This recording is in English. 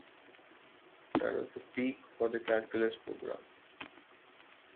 That was the peak for the calculus program.